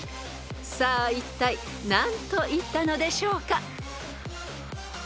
［さあいったい何と言ったのでしょうか？］